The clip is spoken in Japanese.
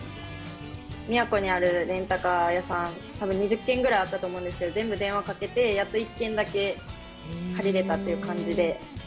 宮古にあるレンタカー屋さん、たぶん２０件ぐらいあったと思うんですけど、全部電話かけて、やっと１件だけ借りれたという感じで。